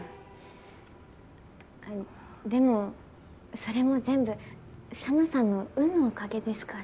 でもそれも全部紗菜さんの運のおかげですから。